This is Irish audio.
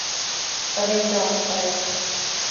Cad é an dath atá air